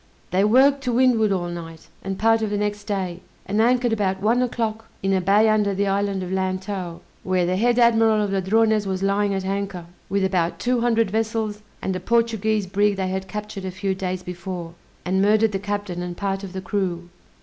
They worked to windward all night and part of the next day, and anchored about one o'clock in a bay under the island of Lantow, where the head admiral of Ladrones was lying at anchor, with about two hundred vessels and a Portuguese brig they had captured a few days before, and murdered the captain and part of the crew.